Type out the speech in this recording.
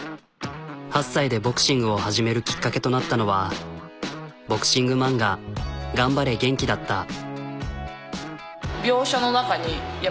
８歳でボクシングを始めるきっかけとなったのはボクシング漫画「がんばれ元気」だった。